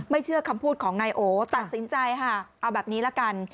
เชื่อคำพูดของนายโอตัดสินใจค่ะเอาแบบนี้ละกัน